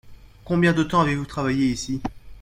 Combien de temps avez-vous travaillé ici ?